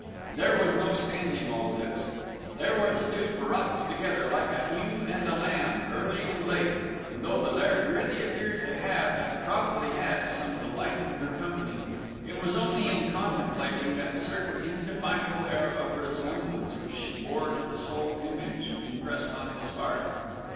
There was no standing all this. There were the two parrocked together, like a ewe and a lamb, early and late; and though the Laird really appeared to have, and probably had, some delight in her company, it was only in contemplating that certain indefinable air of resemblance which she bore to the sole image impressed on his heart.